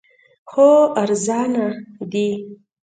خو ارزانه دی